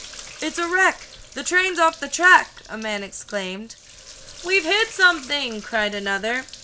"It's a wreck the train's off the track!" a man exclaimed. "We've hit something!" cried another.